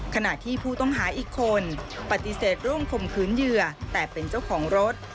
ขณะที่ผู้ต้องหาอีกคนปฏิเสธร่วมข่มขืนเหยื่อแต่เป็นเจ้าของรถ